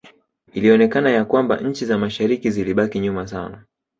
Ilionekana ya kwamba nchi za mashariki zilibaki nyuma sana